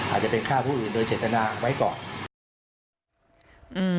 อาจจะเป็นฆ่าผู้อื่นโดยเจตนาไว้ก่อน